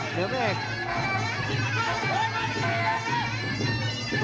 เหนือแม่ง